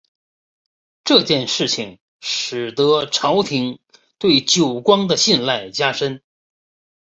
这件事情使得朝廷对久光的信赖加深。